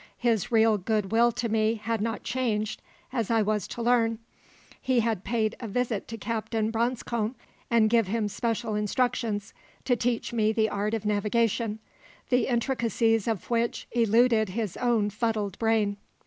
His real goodwill to me had not changed, as I was to learn. He had paid a visit to Captain Branscome, and give him special instructions to teach me the art of navigation, the intricacies of which eluded his own fuddled brain.